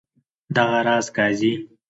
دغه راز قاضي.